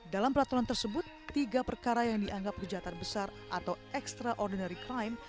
dalam peraturan tersebut tiga perkara yang dianggap kejahatan besar atau extraordinary crime